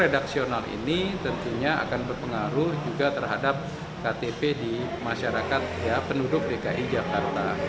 redaksional ini tentunya akan berpengaruh juga terhadap ktp di masyarakat penduduk dki jakarta